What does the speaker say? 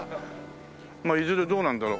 まあいずれどうなんだろう